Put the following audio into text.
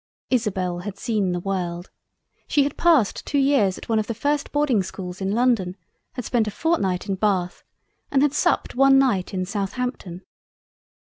Isabel had seen the World. She had passed 2 Years at one of the first Boarding schools in London; had spent a fortnight in Bath and had supped one night in Southampton.